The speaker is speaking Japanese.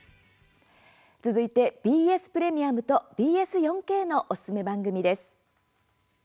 続いて、ＢＳプレミアムとＢＳ４Ｋのおすすめ番組です。